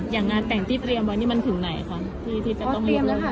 อย่างงานแต่งที่เตรียมว่านี่มันถึงไหนค่ะที่ที่จะต้องอ๋อเตรียมแล้วค่ะ